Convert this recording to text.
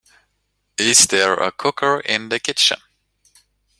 Is there a cooker in the kitchen?